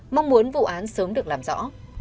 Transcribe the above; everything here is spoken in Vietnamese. mong muốn vụ án sớm được làm rõ